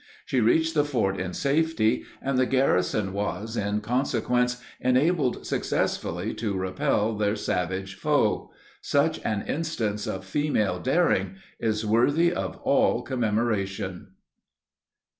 She reached the fort in safety, and the garrison was, in consequence, enabled successfully to repel their savage foe. Such an instance of female daring is worthy of all commemoration.